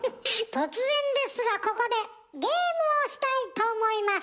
突然ですがここでゲームをしたいと思います！